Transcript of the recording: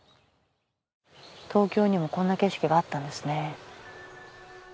東京にもこんな景色があったんですね。